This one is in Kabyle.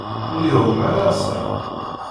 Ur iɛum ara ass-a.